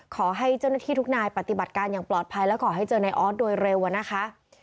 ขอให้เจ้าหน้าที่ทุกนายปฏิบัติการอย่างปลอดภัยและขอให้เจอนายออสโดยเร็วนะคะ